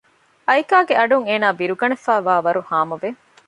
އައިކާގެ އަޑުން އޭނާ ބިރުގަނެފައިވާވަރު ހާމަވެ